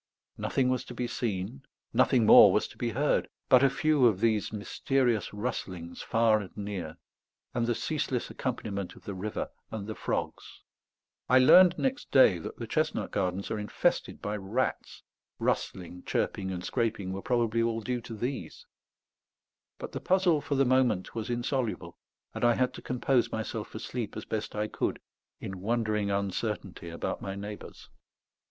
Nothing was to be seen, nothing more was to be heard, but a few of these mysterious rustlings far and near, and the ceaseless accompaniment of the river and the frogs. I learned next day that the chestnut gardens are infested by rats; rustling, chirping, and scraping were probably all due to these; but the puzzle, for the moment, was insoluble, and I had to compose myself for sleep as best I could, in wondering uncertainty about my neighbours.